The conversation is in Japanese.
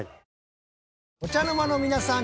お茶の間の皆さん